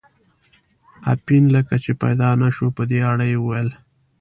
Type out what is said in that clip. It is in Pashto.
اپین لکه چې پیدا نه شو، په دې اړه یې وویل.